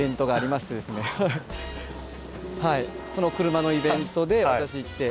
その車のイベントで私行って。